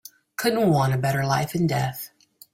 Couldn't want a better life and death.